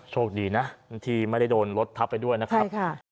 โชคดีนะที่ไม่ได้โดนรถทับไปด้วยนะครับ